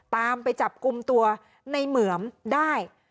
ตามไปจับกลุ่มตัวในเหมือมได้